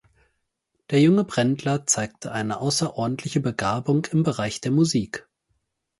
Der junge Brendler zeigte eine außerordentliche Begabung im Bereich der Musik.